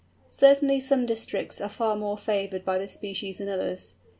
Certainly some districts are far more favoured by this species than others.